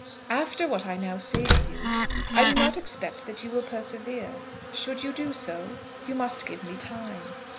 After what I now say to you, I do not expect that you will persevere. Should you do so, you must give me time."